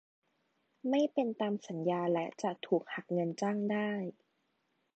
ไม่เป็นตามสัญญาและจะถูกหักเงินจ้างได้